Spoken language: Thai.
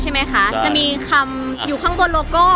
ใช่ไหมคะจะมีคำอยู่ข้างบนโลโก้